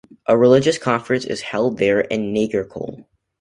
A religious conference is held there in Nagercoil.